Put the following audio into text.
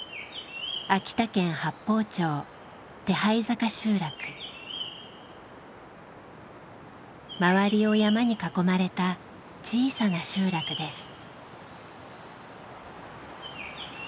秋田県八峰町周りを山に囲まれた小さな集落です。